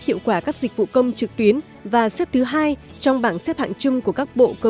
hiệu quả các dịch vụ công trực tuyến và xếp thứ hai trong bảng xếp hạng chung của các bộ cơ